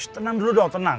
tenang dulu dong tenang